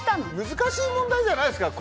難しい問題じゃないですから。